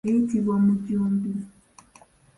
Eyitibwa omujumbi.